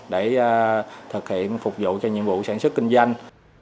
để thực hiện phục vụ cho nhiệm vụ sản xuất kinh doanh